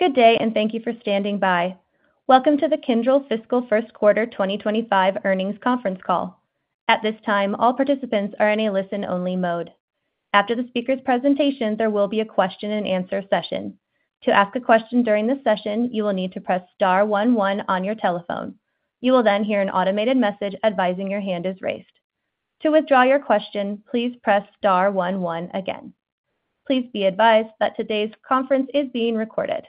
Good day, and thank you for standing by. Welcome to the Kyndryl Fiscal First Quarter 2025 Earnings Conference Call. At this time, all participants are in a listen-only mode. After the speaker's presentation, there will be a question-and-answer session. To ask a question during this session, you will need to press star one one on your telephone. You will then hear an automated message advising your hand is raised. To withdraw your question, please press star one one again. Please be advised that today's conference is being recorded.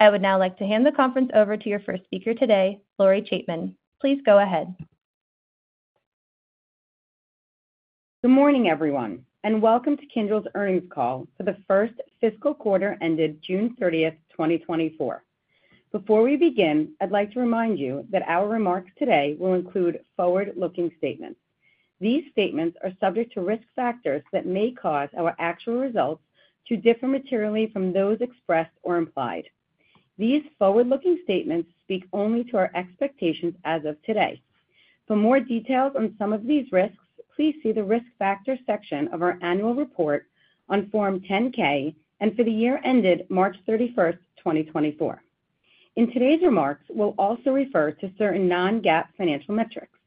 I would now like to hand the conference over to your first speaker today, Lori Chapman. Please go ahead. Good morning, everyone, and welcome to Kyndryl's earnings call for the first fiscal quarter ended June 30, 2024. Before we begin, I'd like to remind you that our remarks today will include forward-looking statements. These statements are subject to risk factors that may cause our actual results to differ materially from those expressed or implied. These forward-looking statements speak only to our expectations as of today. For more details on some of these risks, please see the Risk Factors section of our annual report on Form 10-K and for the year ended March 31, 2024. In today's remarks, we'll also refer to certain non-GAAP financial metrics.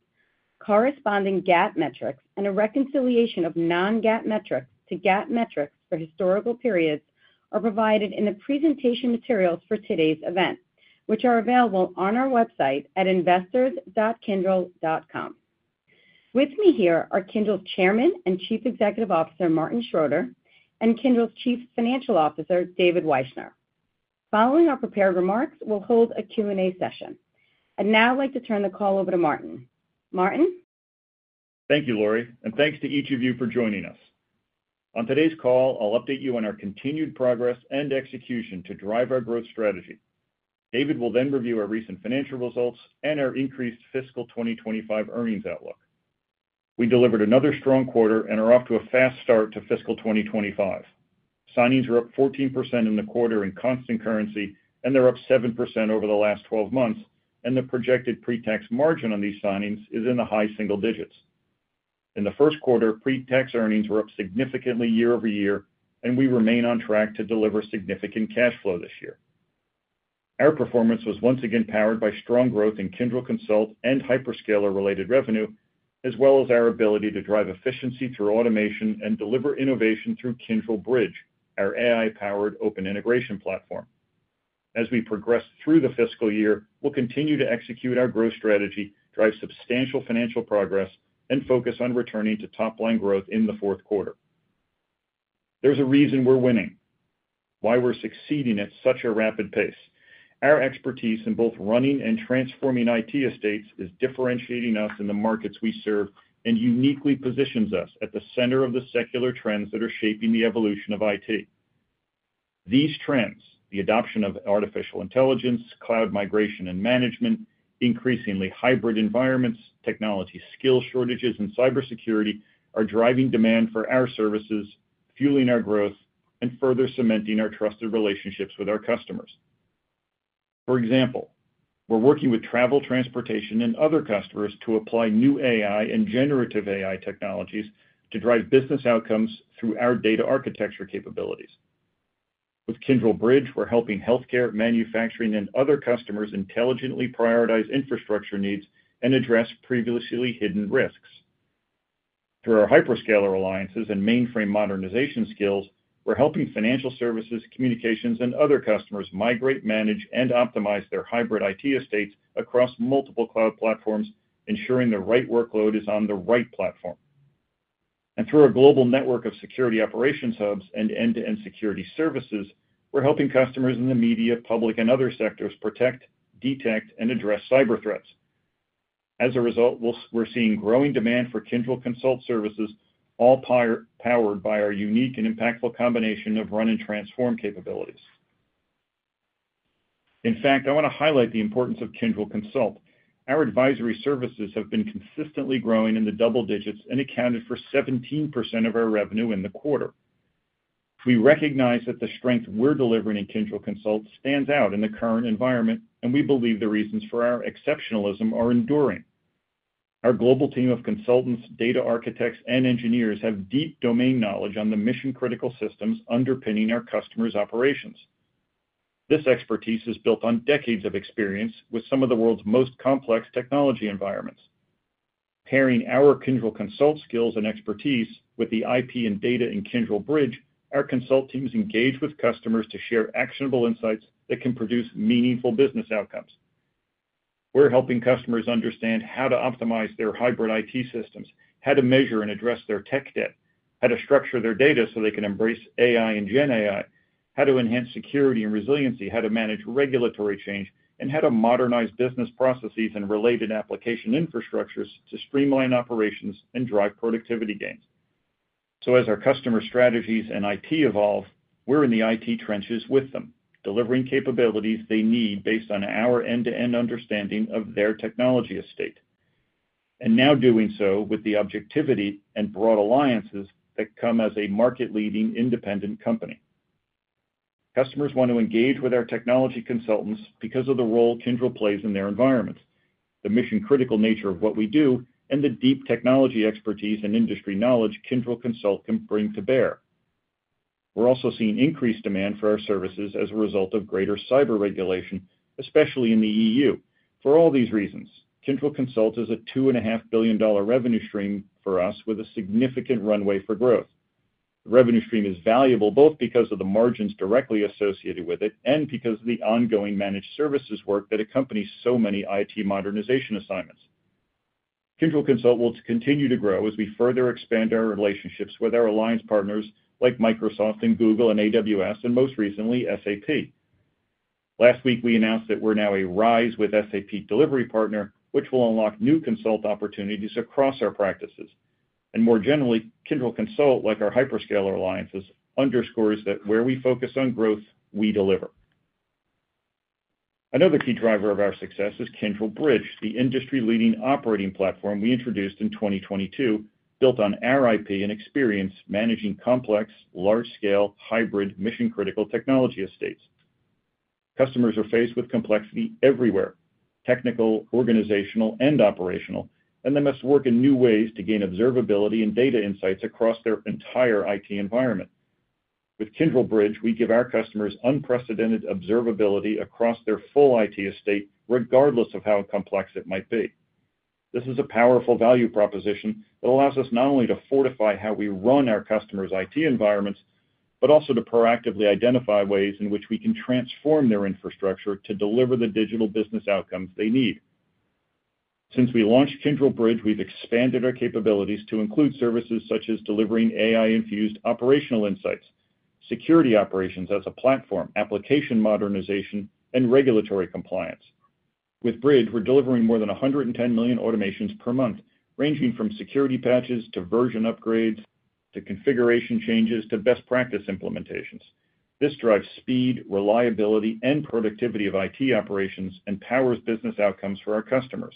Corresponding GAAP metrics and a reconciliation of non-GAAP metrics to GAAP metrics for historical periods are provided in the presentation materials for today's event, which are available on our website at investors.kyndryl.com. With me here are Kyndryl's Chairman and Chief Executive Officer, Martin Schroeter, and Kyndryl's Chief Financial Officer, David Wyshner. Following our prepared remarks, we'll hold a Q&A session. I'd now like to turn the call over to Martin. Martin? Thank you, Lori, and thanks to each of you for joining us. On today's call, I'll update you on our continued progress and execution to drive our growth strategy. David will then review our recent financial results and our increased fiscal 2025 earnings outlook. We delivered another strong quarter and are off to a fast start to fiscal 2025. Signings are up 14% in the quarter in constant currency, and they're up 7% over the last 12 months, and the projected pre-tax margin on these signings is in the high single digits. In the first quarter, pre-tax earnings were up significantly year-over-year, and we remain on track to deliver significant cash flow this year. Our performance was once again powered by strong growth in Kyndryl Consult and hyperscaler-related revenue, as well as our ability to drive efficiency through automation and deliver innovation through Kyndryl Bridge, our AI-powered open integration platform. As we progress through the fiscal year, we'll continue to execute our growth strategy, drive substantial financial progress, and focus on returning to top-line growth in the fourth quarter. There's a reason we're winning, why we're succeeding at such a rapid pace. Our expertise in both running and transforming IT estates is differentiating us in the markets we serve and uniquely positions us at the center of the secular trends that are shaping the evolution of IT. These trends, the adoption of artificial intelligence, cloud migration and management, increasingly hybrid environments, technology skill shortages, and cybersecurity, are driving demand for our services, fueling our growth, and further cementing our trusted relationships with our customers. For example, we're working with travel, transportation, and other customers to apply new AI and generative AI technologies to drive business outcomes through our data architecture capabilities. With Kyndryl Bridge, we're helping healthcare, manufacturing, and other customers intelligently prioritize infrastructure needs and address previously hidden risks. Through our hyperscaler alliances and mainframe modernization skills, we're helping financial services, communications, and other customers migrate, manage, and optimize their hybrid IT estates across multiple cloud platforms, ensuring the right workload is on the right platform. And through our global network of security operations hubs and end-to-end security services, we're helping customers in the media, public, and other sectors protect, detect, and address cyber threats. As a result, we're seeing growing demand for Kyndryl Consult services, all powered by our unique and impactful combination of run and transform capabilities. In fact, I want to highlight the importance of Kyndryl Consult. Our advisory services have been consistently growing in the double digits and accounted for 17% of our revenue in the quarter. We recognize that the strength we're delivering in Kyndryl Consult stands out in the current environment, and we believe the reasons for our exceptionalism are enduring. Our global team of consultants, data architects, and engineers have deep domain knowledge on the mission-critical systems underpinning our customers' operations. This expertise is built on decades of experience with some of the world's most complex technology environments. Pairing our Kyndryl Consult skills and expertise with the IP and data in Kyndryl Bridge, our Consult teams engage with customers to share actionable insights that can produce meaningful business outcomes. We're helping customers understand how to optimize their hybrid IT systems, how to measure and address their tech debt, how to structure their data so they can embrace AI and GenAI, how to enhance Security and Resiliency, how to manage regulatory change, and how to modernize business processes and related application infrastructures to streamline operations and drive productivity gains. So as our customer strategies and IT evolve, we're in the IT trenches with them, delivering capabilities they need based on our end-to-end understanding of their technology estate, and now doing so with the objectivity and broad alliances that come as a market-leading independent company. Customers want to engage with our technology consultants because of the role Kyndryl plays in their environments, the mission-critical nature of what we do, and the deep technology expertise and industry knowledge Kyndryl Consult can bring to bear. We're also seeing increased demand for our services as a result of greater cyber regulation, especially in the EU. For all these reasons, Kyndryl Consult is a $2.5 billion revenue stream for us, with a significant runway for growth. The revenue stream is valuable, both because of the margins directly associated with it and because of the ongoing managed services work that accompanies so many IT modernization assignments. Kyndryl Consult will continue to grow as we further expand our relationships with our alliance partners, like Microsoft and Google and AWS, and most recently, SAP. Last week, we announced that we're now a RISE with SAP delivery partner, which will unlock new Consult opportunities across our practices. More generally, Kyndryl Consult, like our hyperscaler alliances, underscores that where we focus on growth, we deliver. Another key driver of our success is Kyndryl Bridge, the industry-leading operating platform we introduced in 2022, built on our IP and experience managing complex, large-scale, hybrid, mission-critical technology estates. Customers are faced with complexity everywhere, technical, organizational, and operational, and they must work in new ways to gain observability and data insights across their entire IT environment. With Kyndryl Bridge, we give our customers unprecedented observability across their full IT estate, regardless of how complex it might be. This is a powerful value proposition that allows us not only to fortify how we run our customers' IT environments, but also to proactively identify ways in which we can transform their infrastructure to deliver the digital business outcomes they need. Since we launched Kyndryl Bridge, we've expanded our capabilities to include services such as delivering AI-infused operational insights, security operations as a platform, application modernization, and regulatory compliance. With Bridge, we're delivering more than 110 million automations per month, ranging from security patches, to version upgrades, to configuration changes, to best practice implementations. This drives speed, reliability, and productivity of IT operations and powers business outcomes for our customers.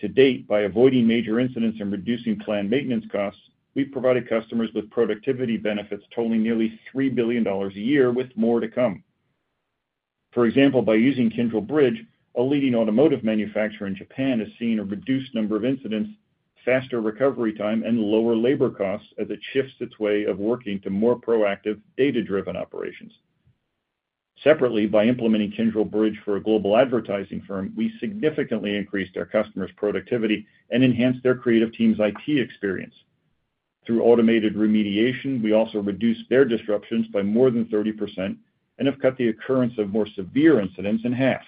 To date, by avoiding major incidents and reducing planned maintenance costs, we've provided customers with productivity benefits totaling nearly $3 billion a year, with more to come. For example, by using Kyndryl Bridge, a leading automotive manufacturer in Japan is seeing a reduced number of incidents, faster recovery time, and lower labor costs as it shifts its way of working to more proactive, data-driven operations. Separately, by implementing Kyndryl Bridge for a global advertising firm, we significantly increased our customer's productivity and enhanced their creative team's IT experience. Through automated remediation, we also reduced their disruptions by more than 30% and have cut the occurrence of more severe incidents in half.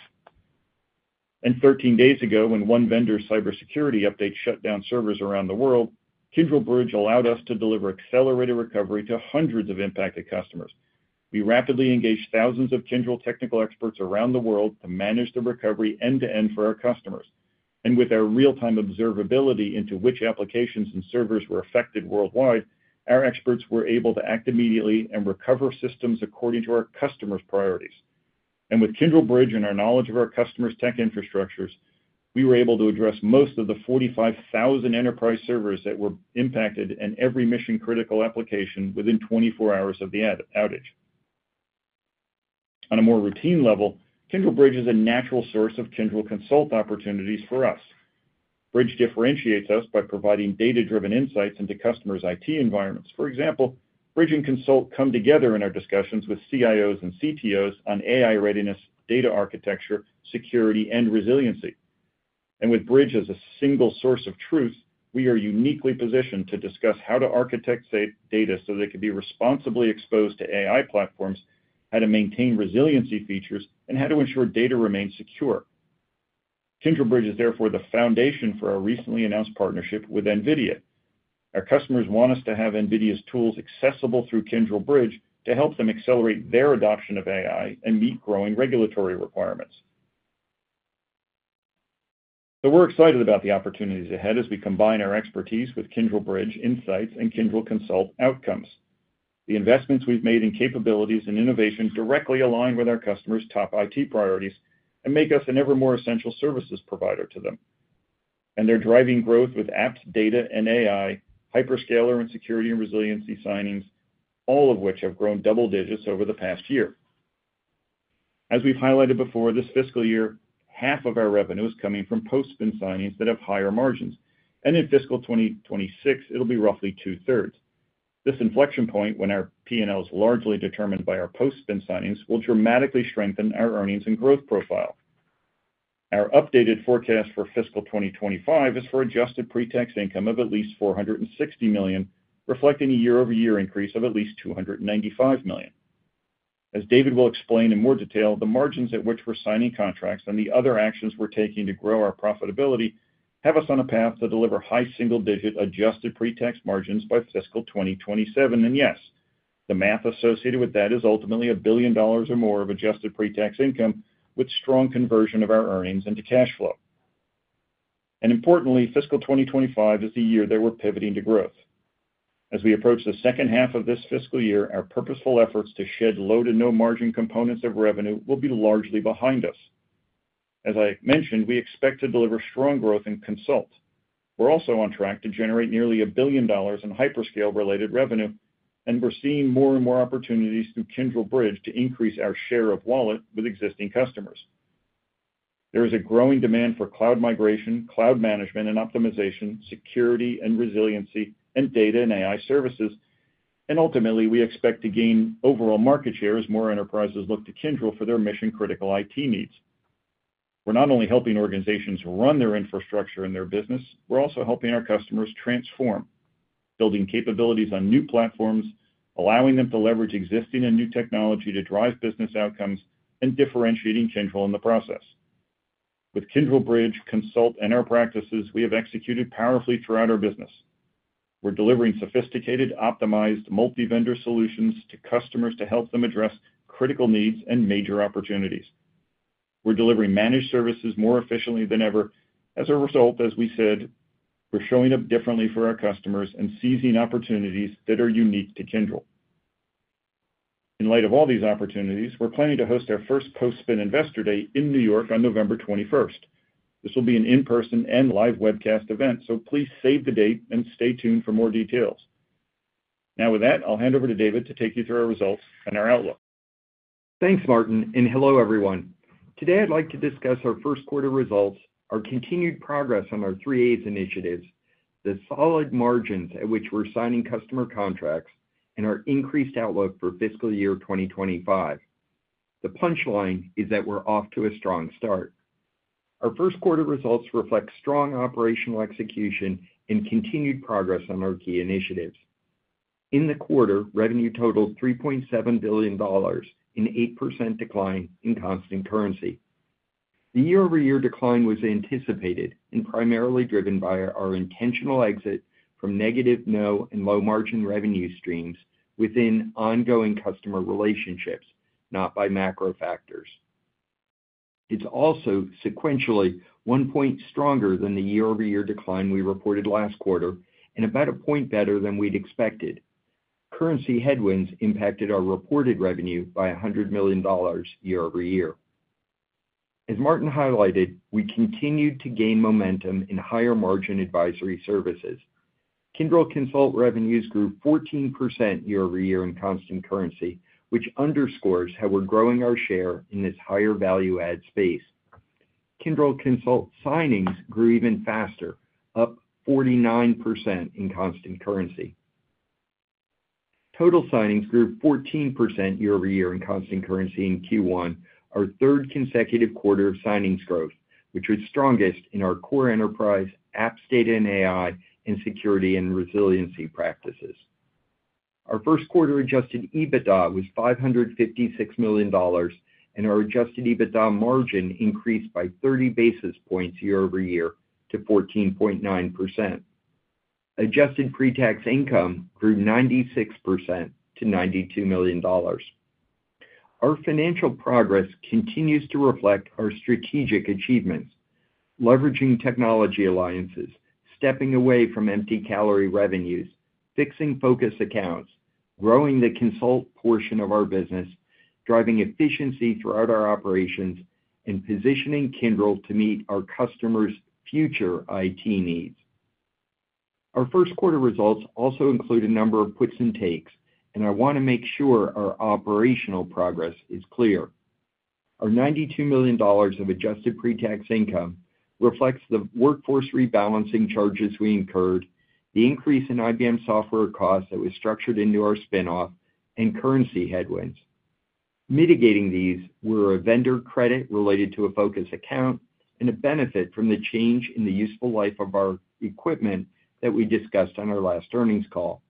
And 13 days ago, when one vendor's cybersecurity update shut down servers around the world, Kyndryl Bridge allowed us to deliver accelerated recovery to hundreds of impacted customers. We rapidly engaged thousands of Kyndryl technical experts around the world to manage the recovery end-to-end for our customers. And with our real-time observability into which applications and servers were affected worldwide, our experts were able to act immediately and recover systems according to our customers' priorities. And with Kyndryl Bridge and our knowledge of our customers' tech infrastructures, we were able to address most of the 45,000 enterprise servers that were impacted in every mission-critical application within 24 hours of the outage. On a more routine level, Kyndryl Bridge is a natural source of Kyndryl Consult opportunities for us. Bridge differentiates us by providing data-driven insights into customers' IT environments. For example, Bridge and Consult come together in our discussions with CIOs and CTOs on AI readiness, data architecture, security, and resiliency. And with Bridge as a single source of truth, we are uniquely positioned to discuss how to architect data so that it can be responsibly exposed to AI platforms, how to maintain resiliency features, and how to ensure data remains secure. Kyndryl Bridge is therefore the foundation for our recently announced partnership with NVIDIA. Our customers want us to have NVIDIA's tools accessible through Kyndryl Bridge to help them accelerate their adoption of AI and meet growing regulatory requirements. So we're excited about the opportunities ahead as we combine our expertise with Kyndryl Bridge insights and Kyndryl Consult outcomes. The investments we've made in capabilities and innovation directly align with our customers' top IT priorities and make us an ever more essential services provider to them. And they're driving growth with Apps, Data, and AI, hyperscaler, and security and resiliency signings, all of which have grown double digits over the past year. As we've highlighted before, this fiscal year, half of our revenue is coming from post-spin signings that have higher margins, and in fiscal 2026, it'll be roughly two-thirds. This inflection point, when our P&L is largely determined by our post-spin signings, will dramatically strengthen our earnings and growth profile. Our updated forecast for fiscal 2025 is for Adjusted Pre-tax Income of at least $460 million, reflecting a year-over-year increase of at least $295 million. As David will explain in more detail, the margins at which we're signing contracts and the other actions we're taking to grow our profitability have us on a path to deliver high single-digit adjusted pre-tax margins by fiscal 2027. Yes, the math associated with that is ultimately $1 billion or more of Adjusted Free Net Income, with strong conversion of our earnings into cash flow. Importantly, fiscal 2025 is the year that we're pivoting to growth. As we approach the second half of this fiscal year, our purposeful efforts to shed low to no margin components of revenue will be largely behind us. As I mentioned, we expect to deliver strong growth in Consult. We're also on track to generate nearly $1 billion in hyperscale-related revenue, and we're seeing more and more opportunities through Kyndryl Bridge to increase our share of wallet with existing customers. There is a growing demand for cloud migration, cloud management and optimization, security and resiliency, and data and AI services, and ultimately, we expect to gain overall market share as more enterprises look to Kyndryl for their mission-critical IT needs. We're not only helping organizations run their infrastructure and their business, we're also helping our customers transform, building capabilities on new platforms, allowing them to leverage existing and new technology to drive business outcomes, and differentiating Kyndryl in the process. With Kyndryl Bridge, Consult, and our practices, we have executed powerfully throughout our business. We're delivering sophisticated, optimized, multi-vendor solutions to customers to help them address critical needs and major opportunities. We're delivering managed services more efficiently than ever. As a result, as we said, we're showing up differently for our customers and seizing opportunities that are unique to Kyndryl. In light of all these opportunities, we're planning to host our first post-spin Investor Day in New York on November twenty-first. This will be an in-person and live webcast event, so please save the date and stay tuned for more details. Now, with that, I'll hand over to David to take you through our results and our outlook. Thanks, Martin, and hello, everyone. Today, I'd like to discuss our first quarter results, our continued progress on our Three A's initiatives, the solid margins at which we're signing customer contracts, and our increased outlook for fiscal year 2025. The punchline is that we're off to a strong start. Our first quarter results reflect strong operational execution and continued progress on our key initiatives. In the quarter, revenue totaled $3.7 billion, an 8% decline in constant currency. The year-over-year decline was anticipated and primarily driven by our intentional exit from negative, no, and low-margin revenue streams within ongoing customer relationships, not by macro factors. It's also sequentially one point stronger than the year-over-year decline we reported last quarter and about a point better than we'd expected. Currency headwinds impacted our reported revenue by $100 million year over year. As Martin highlighted, we continued to gain momentum in higher-margin advisory services. Kyndryl Consult revenues grew 14% year over year in constant currency, which underscores how we're growing our share in this higher value-add space. Kyndryl Consult signings grew even faster, up 49% in constant currency. Total signings grew 14% year-over-year in constant currency in Q1, our third consecutive quarter of signings growth, which was strongest in our Core Enterprise, apps, data, and AI, and security and resiliency practices. Our first quarter adjusted EBITDA was $556 million, and our adjusted EBITDA margin increased by 30 basis points year over year to 14.9%. Adjusted pre-tax income grew 96% to $92 million. Our financial progress continues to reflect our strategic achievements, leveraging technology alliances, stepping away from empty-calorie revenues, fixing focus Accounts, growing the Consult portion of our business, driving efficiency throughout our operations, and positioning Kyndryl to meet our customers' future IT needs. Our first quarter results also include a number of puts and takes, and I want to make sure our operational progress is clear. Our $92 million of adjusted pre-tax income reflects the workforce rebalancing charges we incurred, the increase in IBM software costs that was structured into our spin-off, and currency headwinds. Mitigating these were a vendor credit related to a focus account and a benefit from the change in the useful life of our equipment that we discussed on our last earnings call.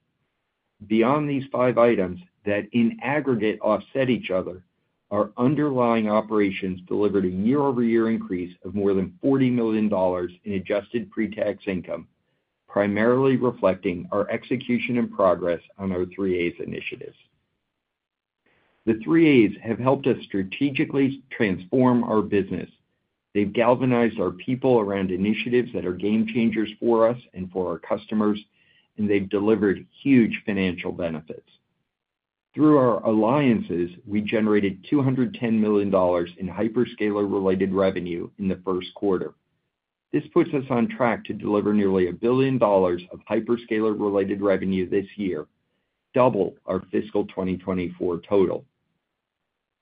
Beyond these five items that, in aggregate, offset each other, our underlying operations delivered a year-over-year increase of more than $40 million in adjusted pre-tax income, primarily reflecting our execution and progress on our Three A's initiatives. The Three A's have helped us strategically transform our business. They've galvanized our people around initiatives that are game changers for us and for our customers, and they've delivered huge financial benefits. Through our alliances, we generated $210 million in hyperscaler-related revenue in the first quarter. This puts us on track to deliver nearly $1 billion of hyperscaler-related revenue this year, double our fiscal 2024 total.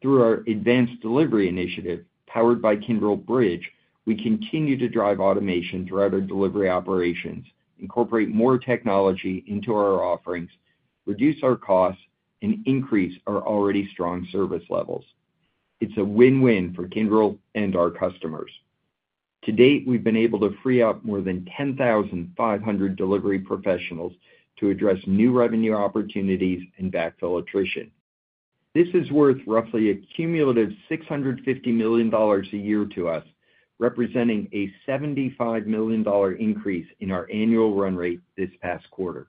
Through our Advanced Delivery initiative, powered by Kyndryl Bridge, we continue to drive automation throughout our delivery operations, incorporate more technology into our offerings, reduce our costs, and increase our already strong service levels. It's a win-win for Kyndryl and our customers. To date, we've been able to free up more than 10,500 delivery professionals to address new revenue opportunities and backfill attrition. This is worth roughly a cumulative $650 million a year to us, representing a $75 million increase in our annual run rate this past quarter.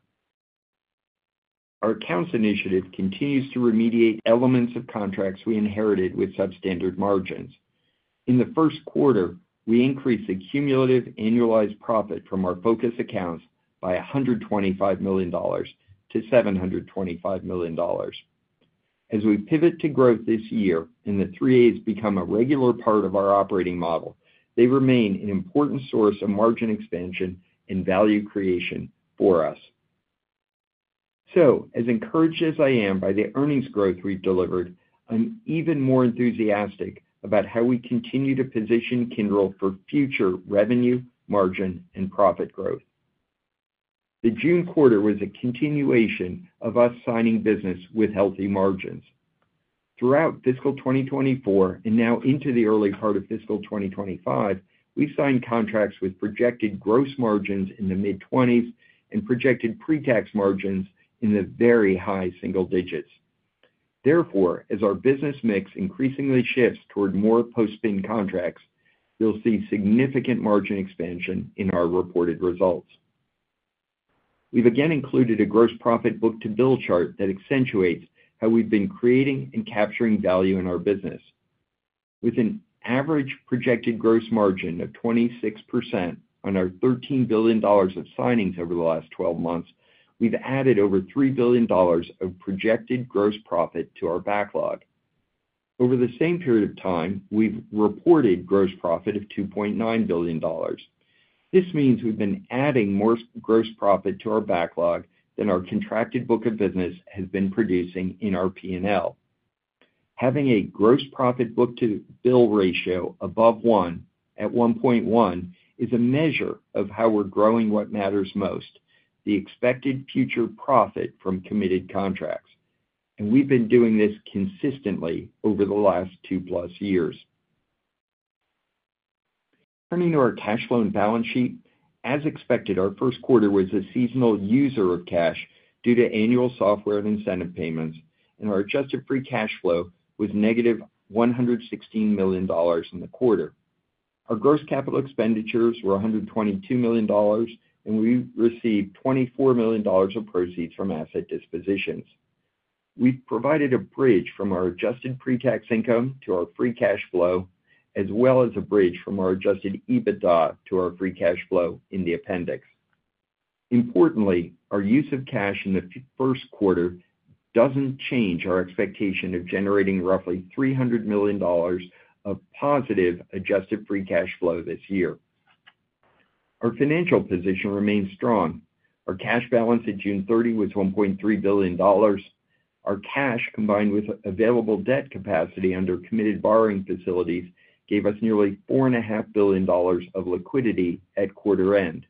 Our accounts initiative continues to remediate elements of contracts we inherited with substandard margins. In the first quarter, we increased the cumulative annualized profit from our fFocus Accounts by $125 million-$725 million, as we pivot to growth this year, and the Three A's become a regular part of our operating model, they remain an important source of margin expansion and value creation for us. So as encouraged as I am by the earnings growth we've delivered, I'm even more enthusiastic about how we continue to position Kyndryl for future revenue, margin, and profit growth. The June quarter was a continuation of us signing business with healthy margins. Throughout fiscal 2024, and now into the early part of fiscal 2025, we've signed contracts with projected gross margins in the mid-20s, and projected pre-tax margins in the very high single digits. Therefore, as our business mix increasingly shifts toward more post-spin contracts, you'll see significant margin expansion in our reported results. We've again included a gross profit book-to-bill chart that accentuates how we've been creating and capturing value in our business. With an average projected gross margin of 26% on our $13 billion of signings over the last 12 months, we've added over $3 billion of projected gross profit to our backlog. Over the same period of time, we've reported gross profit of $2.9 billion. This means we've been adding more gross profit to our backlog than our contracted book of business has been producing in our P&L. Having a gross profit book-to-bill ratio above one at 1.1 is a measure of how we're growing what matters most, the expected future profit from committed contracts, and we've been doing this consistently over the last 2+ years. Turning to our cash flow and balance sheet. As expected, our first quarter was a seasonal user of cash due to annual software and incentive payments, and our Adjusted Free Cash Flow was -$116 million in the quarter. Our gross capital expenditures were $122 million, and we received $24 million of proceeds from asset dispositions. We've provided a bridge from our Adjusted pre-tax income to our free cash flow, as well as a bridge from our Adjusted EBITDA to our free cash flow in the appendix. Importantly, our use of cash in the first quarter doesn't change our expectation of generating roughly $300 million of positive Adjusted Free Cash Flow this year. Our financial position remains strong. Our cash balance at June 30 was $1.3 billion. Our cash, combined with available debt capacity under committed borrowing facilities, gave us nearly $4.5 billion of liquidity at quarter end.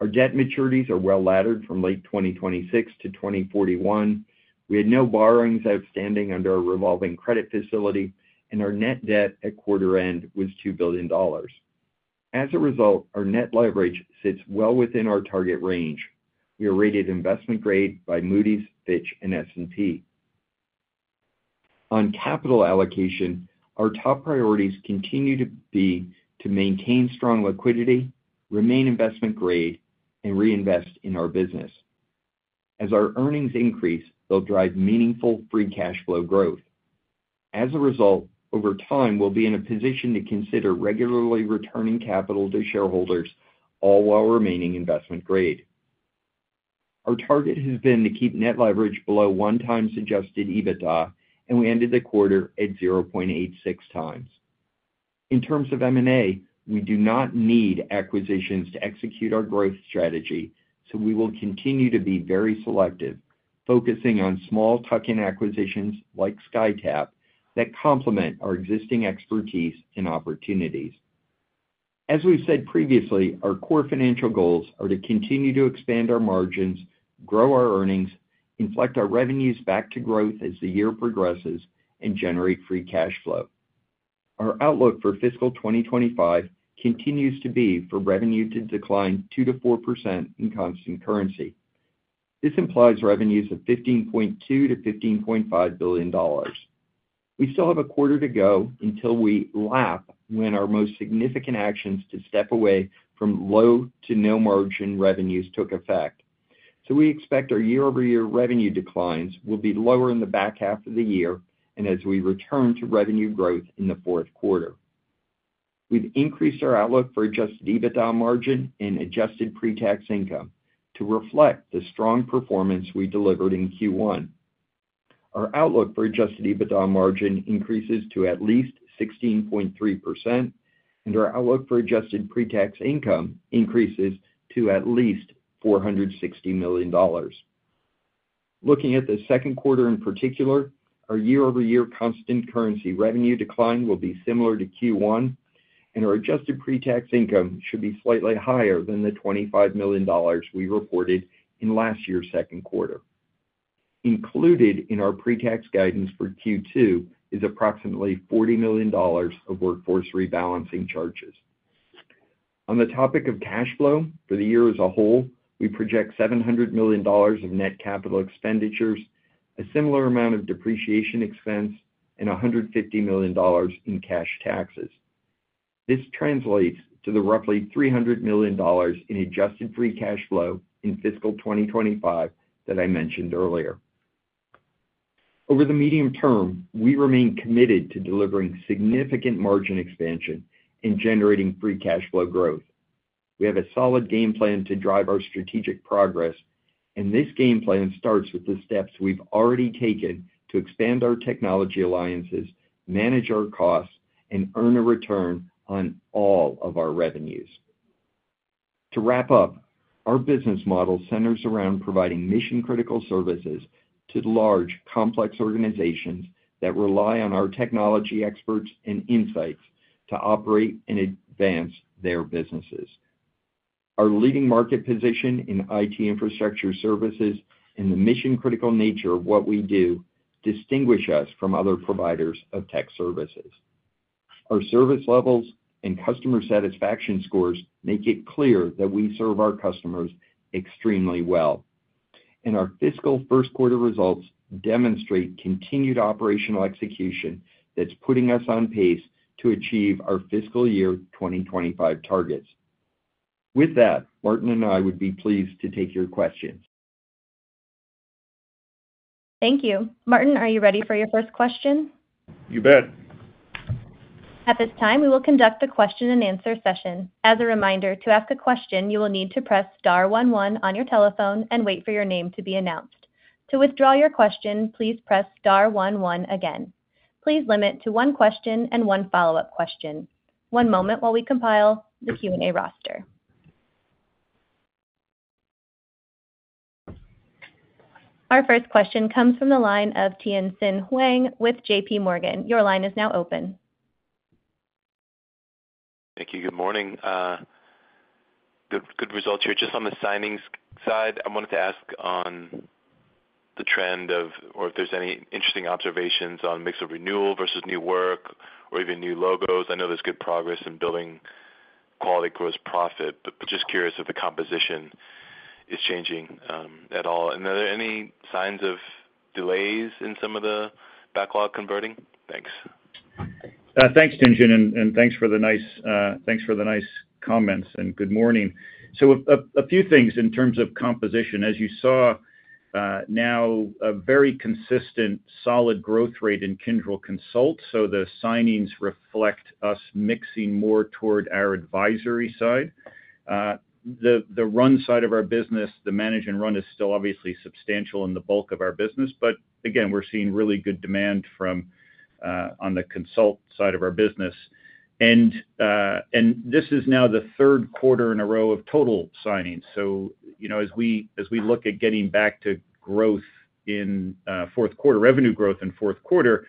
Our debt maturities are well-laddered from late 2026 to 2041. We had no borrowings outstanding under our revolving credit facility, and our net debt at quarter end was $2 billion. As a result, our net leverage sits well within our target range. We are rated investment grade by Moody's, Fitch, and S&P. On capital allocation, our top priorities continue to be to maintain strong liquidity, remain investment grade, and reinvest in our business. As our earnings increase, they'll drive meaningful free cash flow growth. As a result, over time, we'll be in a position to consider regularly returning capital to shareholders, all while remaining investment grade. Our target has been to keep net leverage below 1x Adjusted EBITDA, and we ended the quarter at 0.86x. In terms of M&A, we do not need acquisitions to execute our growth strategy, so we will continue to be very selective, focusing on small tuck-in acquisitions, like Skytap, that complement our existing expertise and opportunities. As we've said previously, our core financial goals are to continue to expand our margins, grow our earnings, inflect our revenues back to growth as the year progresses, and generate free cash flow. Our outlook for fiscal 2025 continues to be for revenue to decline 2%-4% in constant currency. This implies revenues of $15.2 billion-$15.5 billion. We still have a quarter to go until we lap when our most significant actions to step away from low to no margin revenues took effect. So we expect our year-over-year revenue declines will be lower in the back half of the year, and as we return to revenue growth in the fourth quarter. We've increased our outlook for adjusted EBITDA margin and adjusted pretax income to reflect the strong performance we delivered in Q1. Our outlook for adjusted EBITDA margin increases to at least 16.3%, and our outlook for adjusted pretax income increases to at least $460 million. Looking at the second quarter, in particular, our year-over-year constant currency revenue decline will be similar to Q1, and our adjusted pretax income should be slightly higher than the $25 million we reported in last year's second quarter. Included in our pretax guidance for Q2 is approximately $40 million of workforce rebalancing charges. On the topic of cash flow, for the year as a whole, we project $700 million of net capital expenditures, a similar amount of depreciation expense, and $150 million in cash taxes. This translates to the roughly $300 million in Adjusted Free Cash Flow in fiscal 2025 that I mentioned earlier. Over the medium term, we remain committed to delivering significant margin expansion and generating free cash flow growth. We have a solid game plan to drive our strategic progress, and this game plan starts with the steps we've already taken to expand our technology alliances, manage our costs, and earn a return on all of our revenues. To wrap up, our business model centers around providing mission-critical services to large, complex organizations that rely on our technology experts and insights to operate and advance their businesses. Our leading market position in IT infrastructure services and the mission-critical nature of what we do distinguish us from other providers of tech services. Our service levels and customer satisfaction scores make it clear that we serve our customers extremely well, and our fiscal first quarter results demonstrate continued operational execution that's putting us on pace to achieve our fiscal year 2025 targets. With that, Martin and I would be pleased to take your questions. Thank you. Martin, are you ready for your first question? You bet. At this time, we will conduct a question-and-answer session. As a reminder, to ask a question, you will need to press star one one on your telephone and wait for your name to be announced. To withdraw your question, please press star one one again. Please limit to one question and one follow-up question. One moment while we compile the Q&A roster. Our first question comes from the line of Tien-Tsin Huang with JPMorgan. Your line is now open. Thank you. Good morning. Good, good results here. Just on the signings side, I wanted to ask on the trend of, or if there's any interesting observations on mix of renewal versus new work or even new logos. I know there's good progress in building quality gross profit, but just curious if the composition is changing, at all. Are there any signs of delays in some of the backlog converting? Thanks. Thanks, Tien-Tsin, and thanks for the nice comments, and good morning. So a few things in terms of composition. As you saw, now a very consistent solid growth rate in Kyndryl Consult, so the signings reflect us mixing more toward our advisory side. The run side of our business, the manage and run, is still obviously substantial in the bulk of our business, but again, we're seeing really good demand from on the Consult side of our business. And this is now the third quarter in a row of total signings. So, you know, as we look at getting back to growth in fourth quarter. Revenue growth in fourth quarter,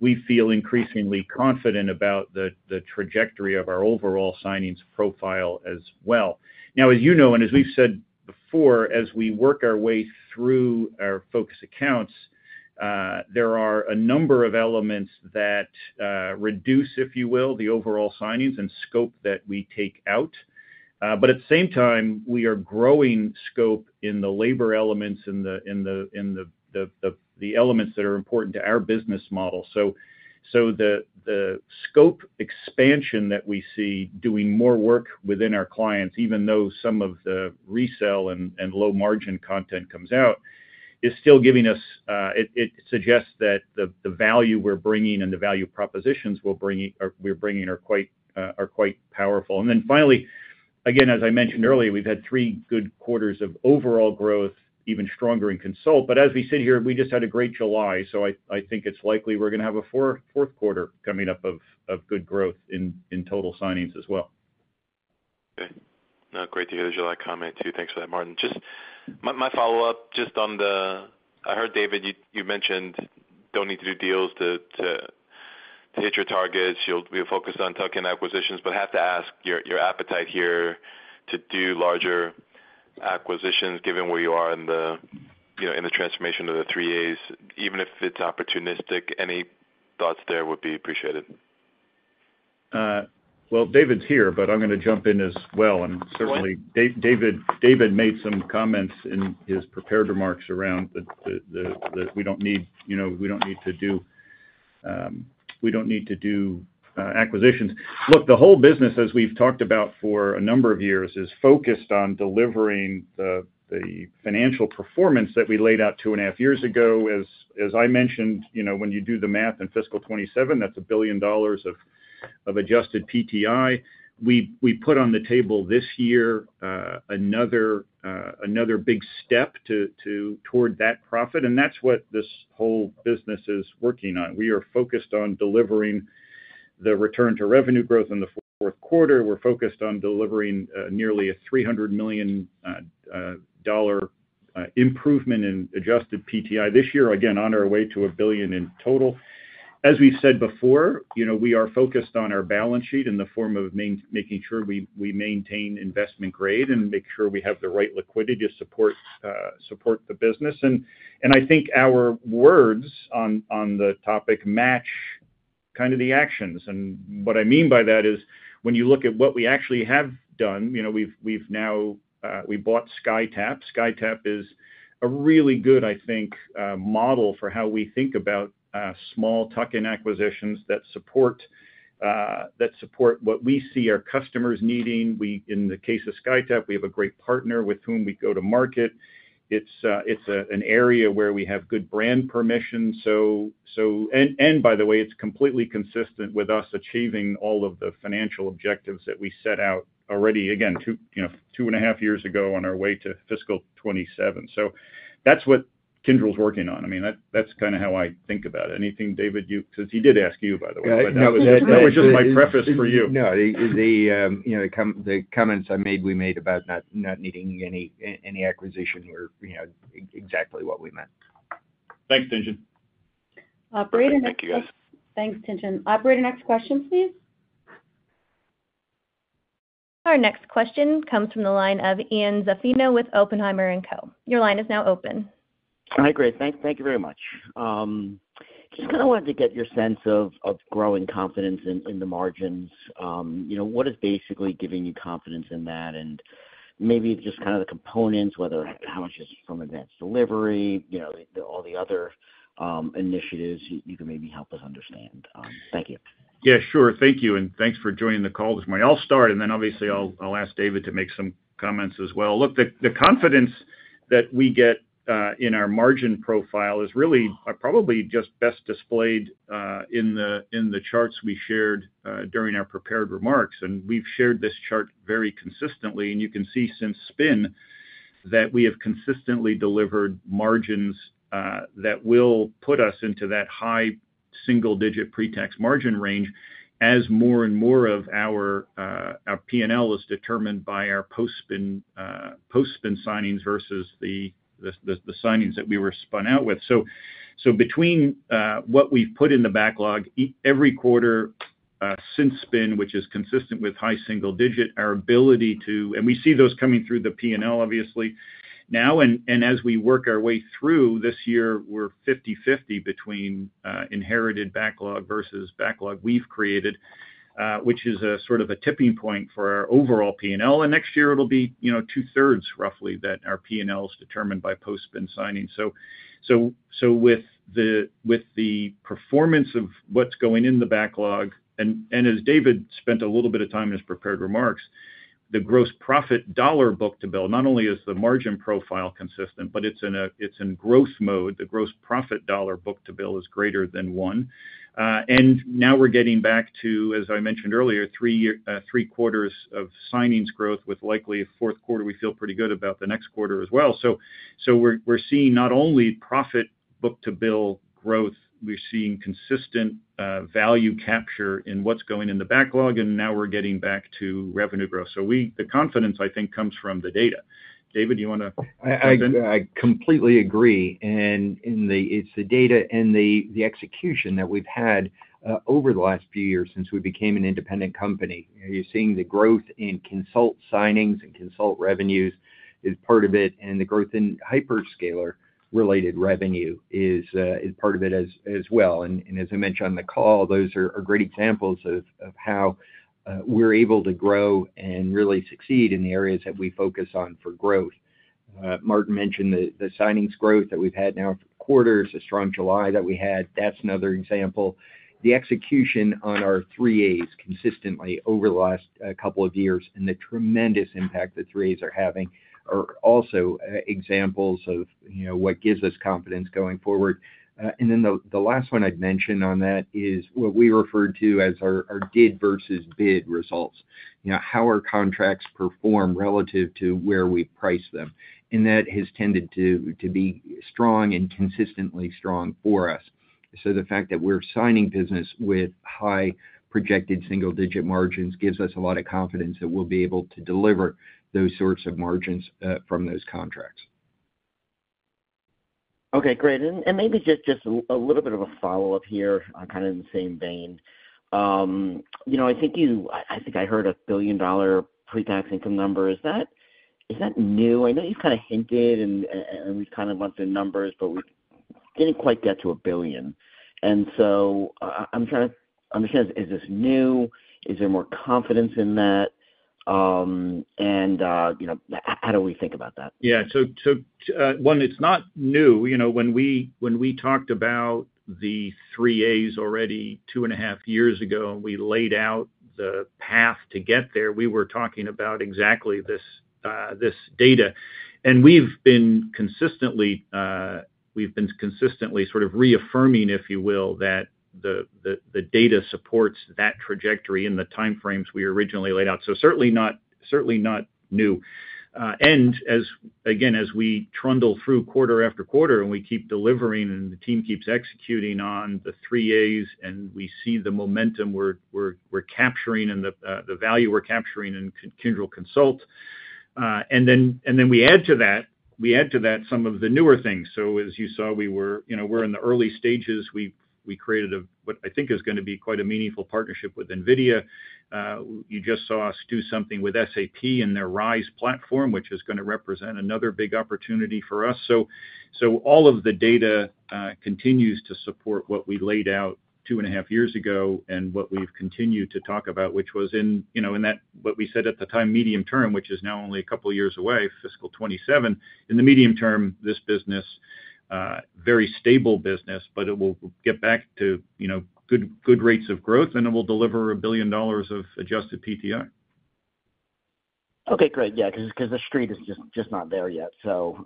we feel increasingly confident about the trajectory of our overall signings profile as well. Now, as you know, and as we've said before, as we work our way through our focus accounts, there are a number of elements that reduce, if you will, the overall signings and scope that we take out. But at the same time, we are growing scope in the labor elements, in the elements that are important to our business model. The scope expansion that we see doing more work within our clients, even though some of the resell and low-margin content comes out, is still giving us. It suggests that the value we're bringing and the value propositions we're bringing are quite powerful. And then finally, again, as I mentioned earlier, we've had three good quarters of overall growth, even stronger in Consult. But as we sit here, we just had a great July, so I think it's likely we're gonna have a fourth quarter coming up of good growth in total signings as well. Okay. No, great to hear the July comment, too. Thanks for that, Martin. Just my follow-up, just on the... I heard, David, you mentioned don't need to do deals to hit your targets. You'll be focused on tuck-in acquisitions, but have to ask your appetite here to do larger acquisitions, given where you are in the, you know, in the transformation of the Three A's, even if it's opportunistic. Any thoughts there would be appreciated. Well, David's here, but I'm gonna jump in as well. Well- And certainly, David, David made some comments in his prepared remarks around that we don't need, you know, we don't need to do acquisitions. Look, the whole business, as we've talked about for a number of years, is focused on delivering the financial performance that we laid out two and a half years ago. As I mentioned, you know, when you do the math in fiscal 2027, that's $1 billion of adjusted PTI. We put on the table this year another, another big step to toward that profit, and that's what this whole business is working on. We are focused on delivering the return to revenue growth in the fourth quarter. We're focused on delivering nearly a $300 million improvement in adjusted PTI this year, again, on our way to a $1 billion in total. As we've said before, you know, we are focused on our balance sheet in the form of making sure we maintain investment grade and make sure we have the right liquidity to support the business. And I think our words on the topic match kind of the actions. And what I mean by that is, when you look at what we actually have done, you know, we've now bought Skytap. Skytap is a really good, I think, model for how we think about small tuck-in acquisitions that support what we see our customers needing. Well, in the case of Skytap, we have a great partner with whom we go to market. It's an area where we have good brand permission, so. And by the way, it's completely consistent with us achieving all of the financial objectives that we set out already, again, 2, you know, 2.5 years ago on our way to fiscal 2027. So that's what Kyndryl's working on. I mean, that's kind of how I think about it. Anything, David, you—'cause he did ask you, by the way, but that was just my preface for you. No, you know, the comments I made, we made about not needing any acquisition were, you know, exactly what we meant. Thanks, Tien-Tsin. Operator, next- Thank you, guys. Thanks, Tien-Tsin. Operator, next question, please. Our next question comes from the line of Ian Zaffino with Oppenheimer & Co. Your line is now open. Hi, great. Thank you very much. Just kind of wanted to get your sense of growing confidence in the margins. You know, what is basically giving you confidence in that? And maybe just kind of the components, whether how much is from Advanced Delivery, you know, all the other initiatives you can maybe help us understand. Thank you. Yeah, sure. Thank you, and thanks for joining the call this morning. I'll start, and then obviously, I'll ask David to make some comments as well. Look, the confidence that we get in our margin profile is really are probably just best displayed in the charts we shared during our prepared remarks. And we've shared this chart very consistently, and you can see since spin that we have consistently delivered margins that will put us into that high single digit pre-tax margin range as more and more of our P&L is determined by our post-spin signings versus the signings that we were spun out with. So between what we've put in the backlog every quarter since spin, which is consistent with high single digit, our ability to... We see those coming through the P&L obviously. Now, as we work our way through this year, we're 50/50 between inherited backlog versus backlog we've created, which is a sort of a tipping point for our overall P&L. And next year, it'll be, you know, two thirds, roughly, that our P&L is determined by post-spin signings. So with the performance of what's going in the backlog, and as David spent a little bit of time in his prepared remarks, the gross profit dollar book-to-bill, not only is the margin profile consistent, but it's in growth mode. The gross profit dollar book-to-bill is greater than one. And now we're getting back to, as I mentioned earlier, three quarters of signings growth with likely a fourth quarter. We feel pretty good about the next quarter as well. So, we're seeing not only profit book-to-bill growth, we're seeing consistent value capture in what's going in the backlog, and now we're getting back to revenue growth. So, the confidence, I think, comes from the data. David, you wanna jump in? I completely agree. And the, it's the data and the execution that we've had over the last few years since we became an independent company. You're seeing the growth in Consult signings and Consult revenues is part of it, and the growth in hyperscaler-related revenue is part of it as well. And as I mentioned on the call, those are great examples of how we're able to grow and really succeed in the areas that we focus on for growth. Martin mentioned the signings growth that we've had now for quarters, the strong July that we had, that's another example. The execution on our three As consistently over the last couple of years and the tremendous impact the three As are having are also examples of, you know, what gives us confidence going forward. And then the last one I'd mention on that is what we refer to as our did versus bid results. You know, how our contracts perform relative to where we price them, and that has tended to be strong and consistently strong for us. So the fact that we're signing business with high projected single-digit margins gives us a lot of confidence that we'll be able to deliver those sorts of margins from those contracts. Okay, great. And maybe just a little bit of a follow-up here on kind of in the same vein. You know, I think I heard a $1 billion pre-tax income number. Is that new? I know you've kind of hinted and we've kind of bumped the numbers, but we didn't quite get to $1 billion. And so I'm trying to understand, is this new? Is there more confidence in that? You know, how do we think about that? Yeah. So, so, one, it's not new. You know, when we, when we talked about the Three A's already two and a half years ago, and we laid out the path to get there, we were talking about exactly this, this data. And we've been consistently, we've been consistently sort of reaffirming, if you will, that the, the, the data supports that trajectory and the time frames we originally laid out. So certainly not, certainly not new. And as, again, as we trundle through quarter after quarter, and we keep delivering, and the team keeps executing on the Three A's, and we see the momentum we're, we're, we're capturing and the, the value we're capturing in Kyndryl Consult. And then, and then we add to that, we add to that some of the newer things. So as you saw, we were, you know, we're in the early stages. We created a, what I think is gonna be quite a meaningful partnership with NVIDIA. You just saw us do something with SAP and their RISE platform, which is gonna represent another big opportunity for us. So all of the data continues to support what we laid out two and a half years ago and what we've continued to talk about, which was in, you know, in that, what we said at the time, medium term, which is now only a couple of years away, fiscal 2027. In the medium term, this business, very stable business, but it will get back to, you know, good, good rates of growth, and it will deliver $1 billion of adjusted PTI. Okay, great. Yeah, 'cause the Street is just not there yet. So,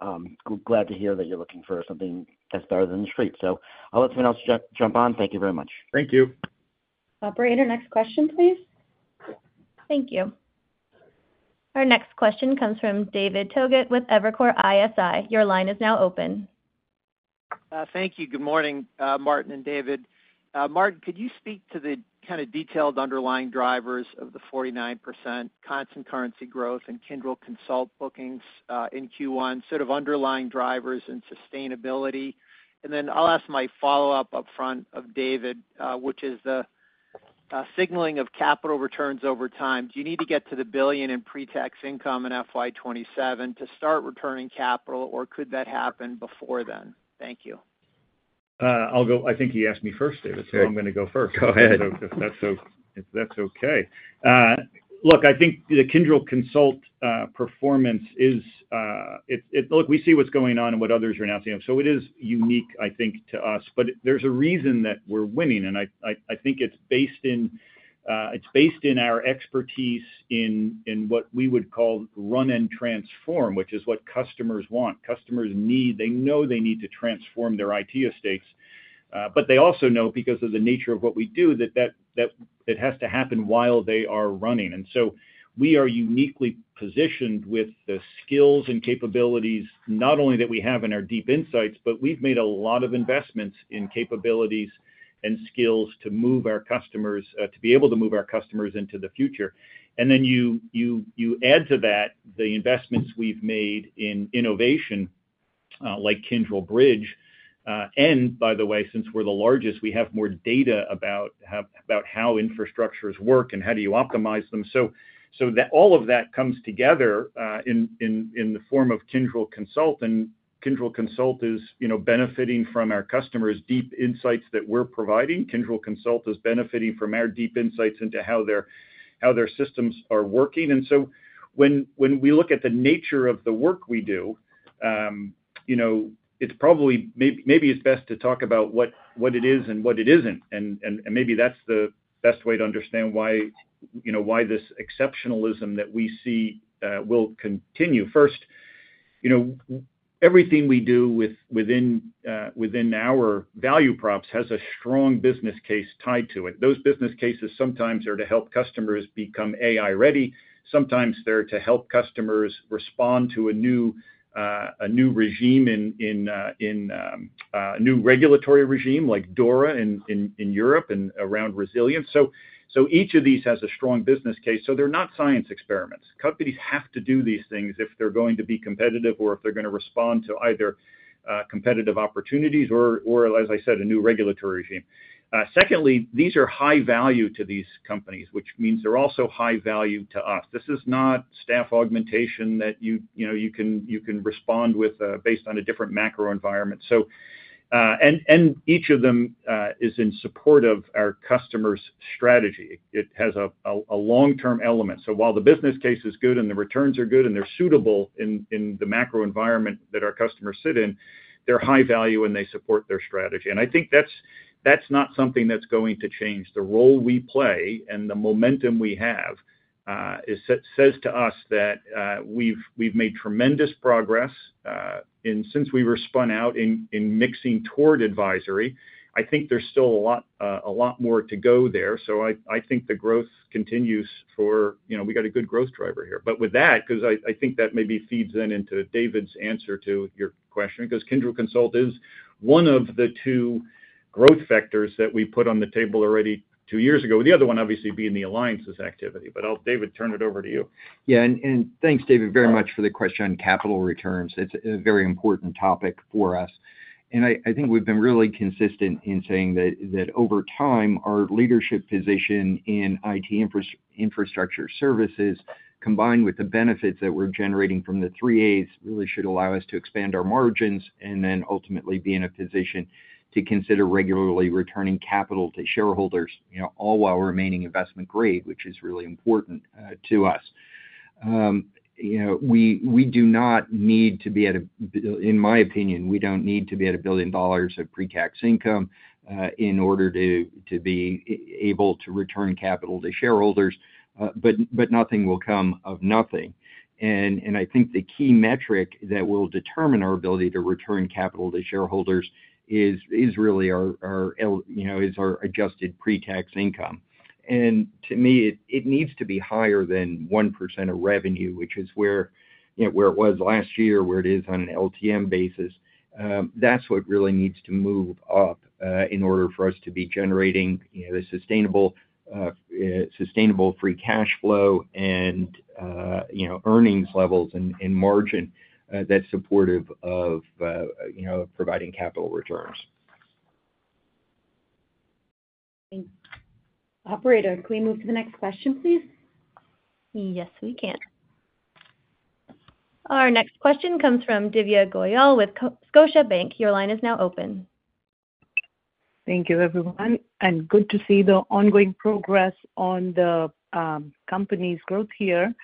glad to hear that you're looking for something that's better than the Street. So I'll let someone else jump on. Thank you very much. Thank you. Operator, next question, please? Thank you. Our next question comes from David Togut with Evercore ISI. Your line is now open. Thank you. Good morning, Martin and David. Martin, could you speak to the kind of detailed underlying drivers of the 49% constant currency growth in Kyndryl Consult bookings, in Q1, sort of underlying drivers and sustainability? And then I'll ask my follow-up upfront of David, which is the, signaling of capital returns over time. Do you need to get to the $1 billion in pre-tax income in FY 2027 to start returning capital, or could that happen before then? Thank you. I'll go... I think he asked me first, David, so I'm gonna go first. Go ahead. If that's okay. Look, I think the Kyndryl Consult performance is. Look, we see what's going on and what others are announcing, and so it is unique, I think, to us. But there's a reason that we're winning, and I think it's based in our expertise in what we would call run and transform, which is what customers want. Customers need... They know they need to transform their IT estates, but they also know, because of the nature of what we do, that it has to happen while they are running. And so we are uniquely positioned with the skills and capabilities, not only that we have in our deep insights, but we've made a lot of investments in capabilities and skills to move our customers to be able to move our customers into the future. And then you add to that the investments we've made in innovation like Kyndryl Bridge. And by the way, since we're the largest, we have more data about how infrastructures work and how do you optimize them. So that all of that comes together in the form of Kyndryl Consult, and Kyndryl Consult is, you know, benefiting from our customers' deep insights that we're providing. Kyndryl Consult is benefiting from our deep insights into how their systems are working. When we look at the nature of the work we do, you know, it's probably best to talk about what it is and what it isn't, and maybe that's the best way to understand why, you know, why this exceptionalism that we see will continue. First, you know, everything we do within our value props has a strong business case tied to it. Those business cases sometimes are to help customers become AI-ready. Sometimes they're to help customers respond to a new regulatory regime, like DORA in Europe and around resilience. So each of these has a strong business case, so they're not science experiments. Companies have to do these things if they're going to be competitive or if they're gonna respond to either competitive opportunities or, as I said, a new regulatory regime. Secondly, these are high value to these companies, which means they're also high value to us. This is not staff augmentation that you know you can respond with based on a different macro environment. So, and each of them is in support of our customers' strategy. It has a long-term element. So while the business case is good and the returns are good and they're suitable in the macro environment that our customers sit in, they're high value, and they support their strategy. And I think that's not something that's going to change. The role we play and the momentum we have, it says to us that we've made tremendous progress, and since we were spun out in inching toward advisory, I think there's still a lot more to go there. So I think the growth continues for... You know, we got a good growth driver here. But with that, 'cause I think that maybe feeds into David's answer to your question, 'cause Kyndryl Consult is one of the two growth vectors that we put on the table already two years ago, the other one obviously being the alliances activity. But I'll, David, turn it over to you. Yeah, and thanks, David, very much for the question on capital returns. It's a very important topic for us, and I think we've been really consistent in saying that over time, our leadership position in IT infrastructure services, combined with the benefits that we're generating from the three As, really should allow us to expand our margins and then ultimately be in a position to consider regularly returning capital to shareholders, you know, all while remaining investment-grade, which is really important to us. You know, in my opinion, we don't need to be at $1 billion of pre-tax income in order to be able to return capital to shareholders, but nothing will come of nothing. I think the key metric that will determine our ability to return capital to shareholders is really our adjusted pre-tax income. And to me, it needs to be higher than 1% of revenue, which is where, you know, where it was last year, where it is on an LTM basis. That's what really needs to move up, in order for us to be generating, you know, the sustainable sustainable free cash flow and, you know, earnings levels and margin, that's supportive of, you know, providing capital returns. Thank you. Operator, can we move to the next question, please? Yes, we can. Our next question comes from Divya Goyal with Scotiabank. Your line is now open. Thank you, everyone, and good to see the ongoing progress on the company's growth here.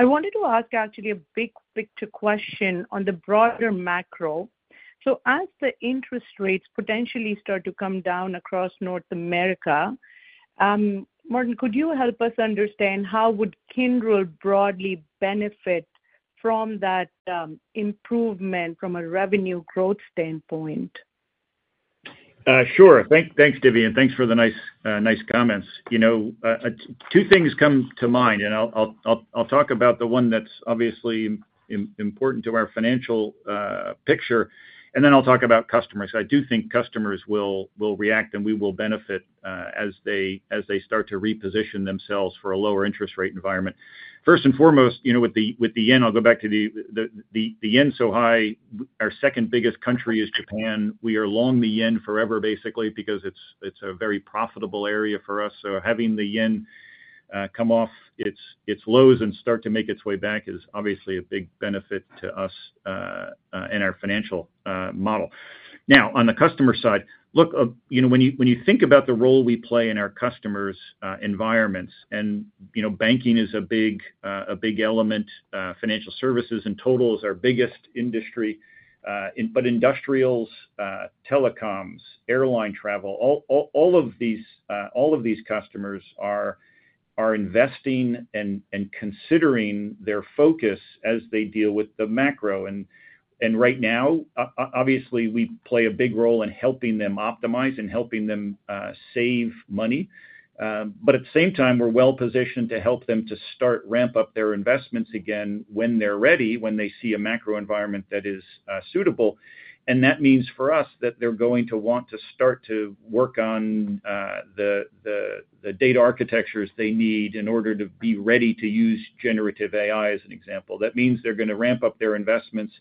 I wanted to ask actually a big-picture question on the broader macro. So as the interest rates potentially start to come down across North America, Martin, could you help us understand how would Kyndryl broadly benefit from that improvement from a revenue growth standpoint? Sure. Thanks, Divya, and thanks for the nice, nice comments. You know, two things come to mind, and I'll talk about the one that's obviously important to our financial picture, and then I'll talk about customers. I do think customers will react, and we will benefit as they start to reposition themselves for a lower interest rate environment. First and foremost, you know, with the yen, I'll go back to the yen so high. Our second biggest country is Japan. We are long the yen forever, basically, because it's a very profitable area for us. So having the yen come off its lows and start to make its way back is obviously a big benefit to us, and our financial model. Now, on the customer side, look, you know, when you think about the role we play in our customers' environments, and, you know, banking is a big element, financial services in total is our biggest industry, but industrials, telecoms, airline travel, all of these customers are investing and considering their focus as they deal with the macro. And right now, obviously, we play a big role in helping them optimize and helping them save money. But at the same time, we're well-positioned to help them to start ramp up their investments again when they're ready, when they see a macro environment that is suitable. That means for us that they're going to want to start to work on the data architectures they need in order to be ready to use generative AI, as an example. That means they're gonna ramp up their investments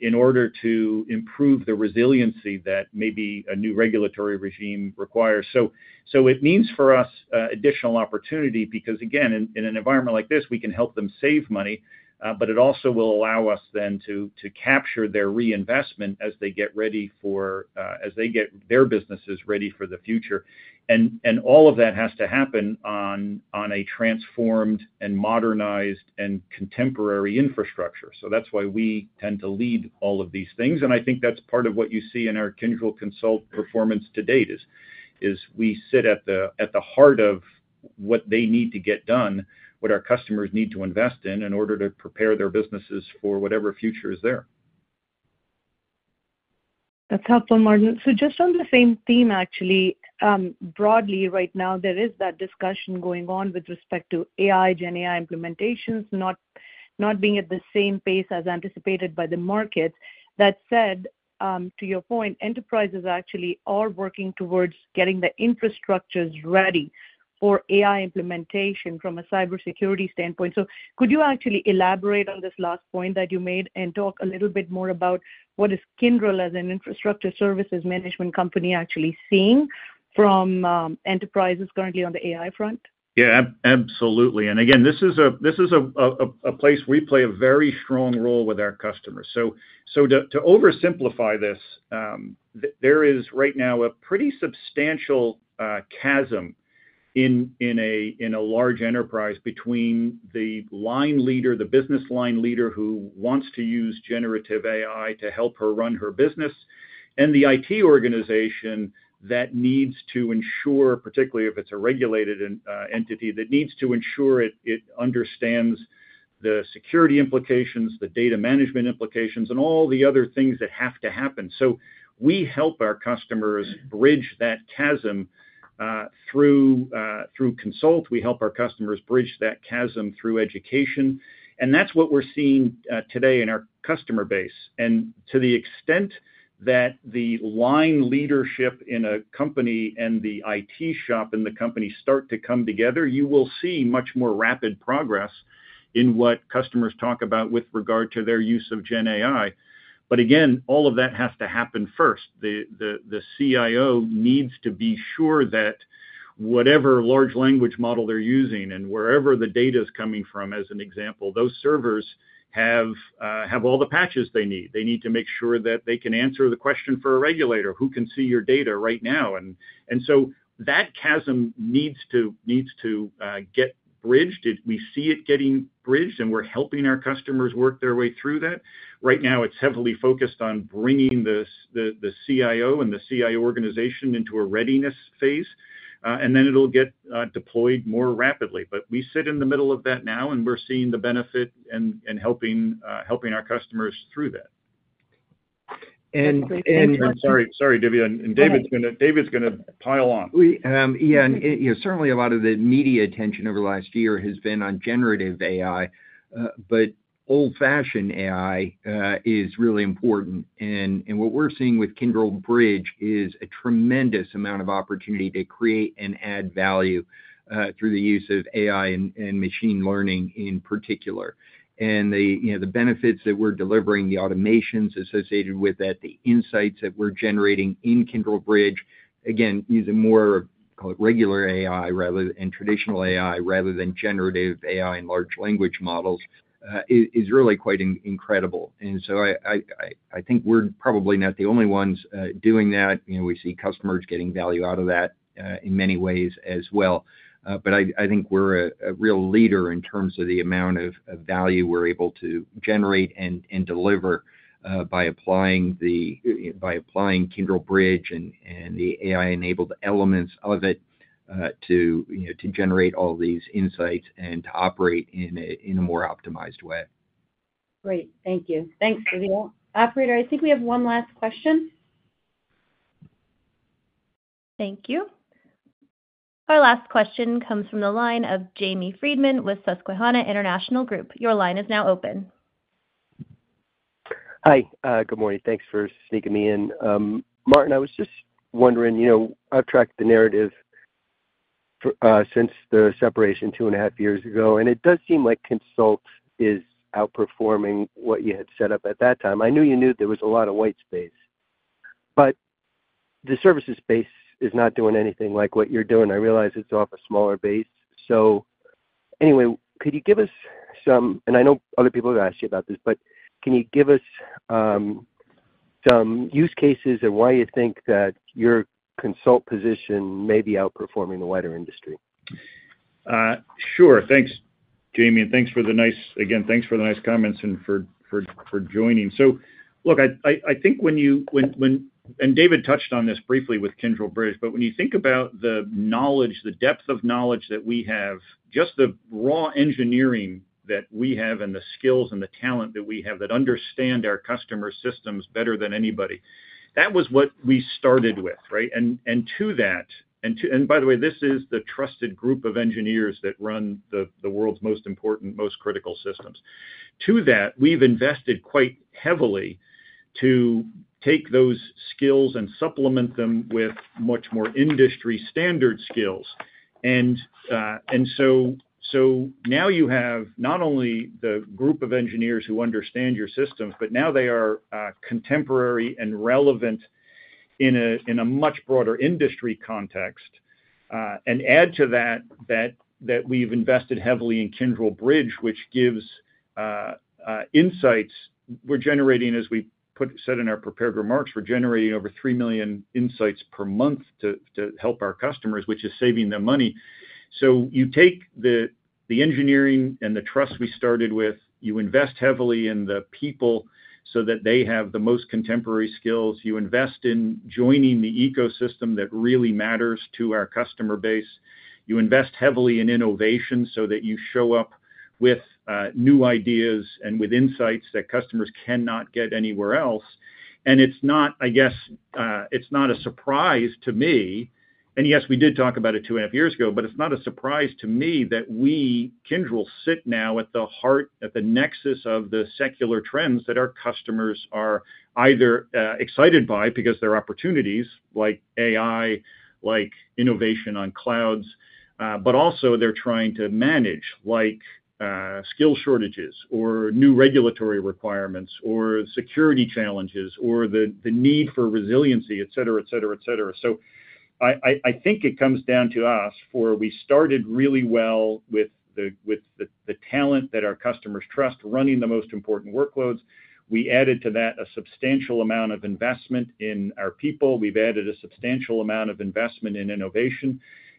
in order to improve the resiliency that maybe a new regulatory regime requires. It means for us additional opportunity, because, again, in an environment like this, we can help them save money, but it also will allow us then to capture their reinvestment as they get ready for, as they get their businesses ready for the future. All of that has to happen on a transformed and modernized and contemporary infrastructure. So that's why we tend to lead all of these things, and I think that's part of what you see in our Kyndryl Consult performance to date, is we sit at the heart of what they need to get done, what our customers need to invest in, in order to prepare their businesses for whatever future is there. That's helpful, Martin. So just on the same theme, actually, broadly, right now, there is that discussion going on with respect to AI, GenAI implementations, not being at the same pace as anticipated by the market. That said, to your point, enterprises actually are working towards getting the infrastructures ready for AI implementation from a cybersecurity standpoint. So could you actually elaborate on this last point that you made and talk a little bit more about what is Kyndryl, as an infrastructure services management company, actually seeing from, enterprises currently on the AI front? Yeah, absolutely. And again, this is a place we play a very strong role with our customers. So to oversimplify this, there is right now a pretty substantial chasm in a large enterprise between the line leader, the business line leader, who wants to use generative AI to help her run her business, and the IT organization that needs to ensure, particularly if it's a regulated entity, that needs to ensure it, it understands the security implications, the data management implications, and all the other things that have to happen. So we help our customers bridge that chasm through Consult. We help our customers bridge that chasm through education, and that's what we're seeing today in our customer base. To the extent that the line leadership in a company and the IT shop in the company start to come together, you will see much more rapid progress in what customers talk about with regard to their use of GenAI. But again, all of that has to happen first. The CIO needs to be sure that whatever large language model they're using and wherever the data's coming from, as an example, those servers have all the patches they need. They need to make sure that they can answer the question for a regulator, who can see your data right now? And so that chasm needs to get bridged. It. We see it getting bridged, and we're helping our customers work their way through that. Right now, it's heavily focused on bringing the CIO and the CIO organization into a readiness phase, and then it'll get deployed more rapidly. But we sit in the middle of that now, and we're seeing the benefit and helping our customers through that. I'm sorry. Sorry, Divya. That's- David's gonna pile on. Yeah, and, you know, certainly a lot of the media attention over the last year has been on generative AI, but old-fashioned AI is really important. And what we're seeing with Kyndryl Bridge is a tremendous amount of opportunity to create and add value through the use of AI and machine learning in particular. And the, you know, the benefits that we're delivering, the automations associated with that, the insights that we're generating in Kyndryl Bridge, again, using more, call it, regular AI and traditional AI rather than generative AI and large language models, is really quite incredible. And so I think we're probably not the only ones doing that. You know, we see customers getting value out of that in many ways as well. But I think we're a real leader in terms of the amount of value we're able to generate and deliver by applying Kyndryl Bridge and the AI-enabled elements of it, you know, to generate all these insights and to operate in a more optimized way. Great. Thank you. Thanks, David. Operator, I think we have one last question. Thank you. Our last question comes from the line of Jamie Friedman with Susquehanna International Group. Your line is now open. Hi, good morning. Thanks for sneaking me in. Martin, I was just wondering, you know, I've tracked the narrative for since the separation two and a half years ago, and it does seem like Consult is outperforming what you had set up at that time. I knew you knew there was a lot of white space, but the services space is not doing anything like what you're doing. I realize it's off a smaller base. So anyway, could you give us some - and I know other people have asked you about this, but can you give us some use cases and why you think that your Consult position may be outperforming the wider industry? Sure. Thanks, Jamie, and thanks for the nice—again, thanks for the nice comments and for joining. So look, I think when you and David touched on this briefly with Kyndryl Bridge, but when you think about the knowledge, the depth of knowledge that we have, just the raw engineering that we have and the skills and the talent that we have that understand our customer systems better than anybody, that was what we started with, right? And to that, and by the way, this is the trusted group of engineers that run the world's most important, most critical systems. To that, we've invested quite heavily to take those skills and supplement them with much more industry-standard skills. And so now you have not only the group of engineers who understand your systems, but now they are contemporary and relevant in a much broader industry context. And add to that we've invested heavily in Kyndryl Bridge, which gives insights. We're generating, as we said in our prepared remarks, we're generating over 3 million insights per month to help our customers, which is saving them money. So you take the engineering and the trust we started with, you invest heavily in the people so that they have the most contemporary skills. You invest in joining the ecosystem that really matters to our customer base. You invest heavily in innovation so that you show up with new ideas and with insights that customers cannot get anywhere else. And it's not, I guess, it's not a surprise to me, and yes, we did talk about it 2.5 years ago, but it's not a surprise to me that we, Kyndryl, sit now at the heart, at the nexus of the secular trends that our customers are either, excited by, because they're opportunities like AI, like innovation on clouds, but also they're trying to manage, like, skill shortages or new regulatory requirements or security challenges or the, the need for resiliency, et cetera, et cetera, et cetera. So I think it comes down to us, for we started really well with the talent that our customers trust, running the most important workloads. We added to that a substantial amount of investment in our people. We've added a substantial amount of investment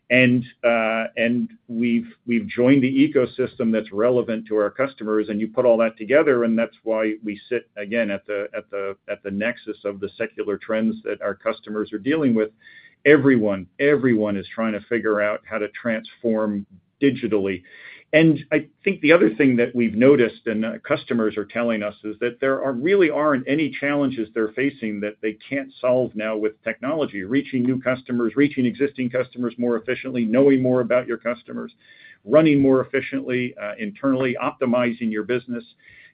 in innovation, and we've joined the ecosystem that's relevant to our customers. And you put all that together, and that's why we sit again at the nexus of the secular trends that our customers are dealing with. Everyone is trying to figure out how to transform digitally. And I think the other thing that we've noticed and customers are telling us is that there really aren't any challenges they're facing that they can't solve now with technology, reaching new customers, reaching existing customers more efficiently, knowing more about your customers, running more efficiently internally, optimizing your business,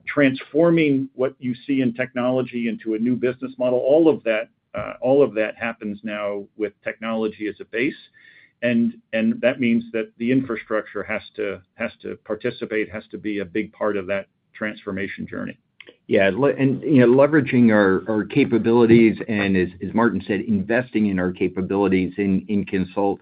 transforming what you see in technology into a new business model. All of that happens now with technology as a base, and that means that the infrastructure has to participate, has to be a big part of that transformation journey. Yeah, and, you know, leveraging our capabilities and as Martin said, investing in our capabilities in Consult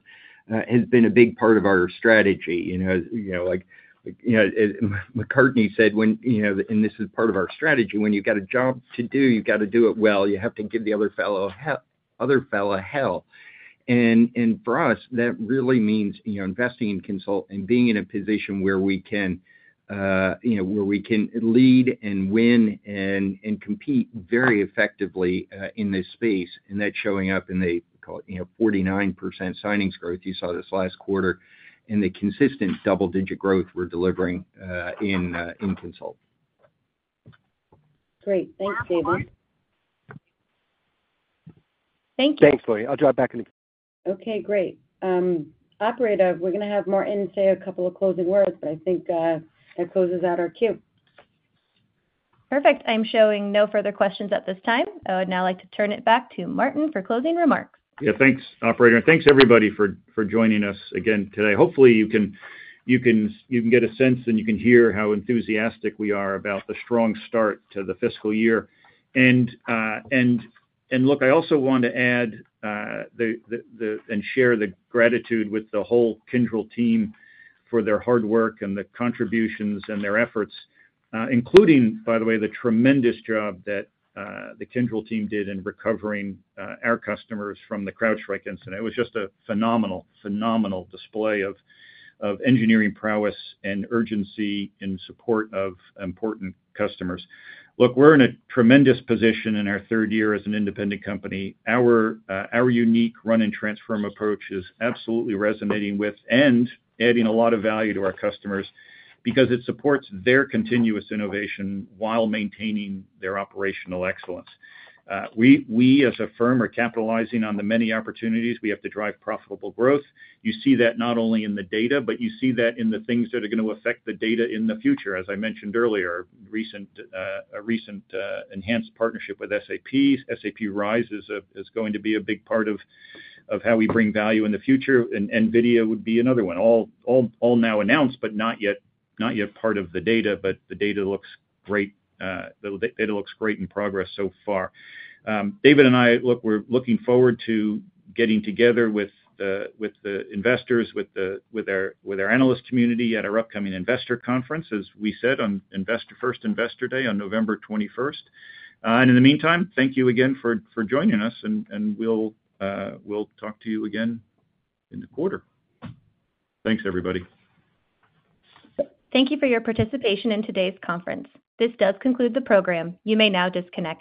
has been a big part of our strategy. You know, like, as McCartney said, and this is part of our strategy, "When you've got a job to do, you've got to do it well. You have to give the other fella hell." And for us, that really means, you know, investing in Consult and being in a position where we can lead and win and compete very effectively in this space. And that's showing up in the, call it, 49% signings growth you saw this last quarter and the consistent double-digit growth we're delivering in Consult. Great. Thanks, David. Thank you. Thanks, Lori. I'll drive back in again. Okay, great. Operator, we're gonna have Martin say a couple of closing words, but I think that closes out our queue. Perfect. I'm showing no further questions at this time. I would now like to turn it back to Martin for closing remarks. Yeah, thanks, operator. Thanks, everybody, for joining us again today. Hopefully, you can get a sense, and you can hear how enthusiastic we are about the strong start to the fiscal year. And look, I also want to add and share the gratitude with the whole Kyndryl team for their hard work and the contributions and their efforts, including, by the way, the tremendous job that the Kyndryl team did in recovering our customers from the CrowdStrike incident. It was just a phenomenal, phenomenal display of engineering prowess and urgency in support of important customers. Look, we're in a tremendous position in our third year as an independent company. Our unique run-and-transform approach is absolutely resonating with and adding a lot of value to our customers because it supports their continuous innovation while maintaining their operational excellence. We, as a firm, are capitalizing on the many opportunities we have to drive profitable growth. You see that not only in the data, but you see that in the things that are gonna affect the data in the future. As I mentioned earlier, a recent enhanced partnership with SAP. SAP RISE is going to be a big part of how we bring value in the future, and NVIDIA would be another one. All now announced, but not yet part of the data. But the data looks great, the data looks great in progress so far. David and I, look, we're looking forward to getting together with the investors, with our analyst community at our upcoming investor conference, as we said, on our First Investor Day on November 21. And in the meantime, thank you again for joining us, and we'll talk to you again in the quarter. Thanks, everybody.. Thank you for your participation in today's conference. This does conclude the program. You may now disconnect.